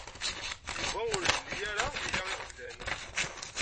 Yuba ur yelli ara ila iɣeblan.